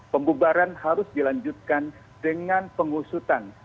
pembubaran harus dilanjutkan dengan pengusutan